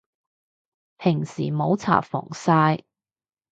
平時冇搽防曬